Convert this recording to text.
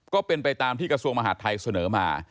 ก็เป็นไปตามที่กระทรวงมหาดไทยเสนอมา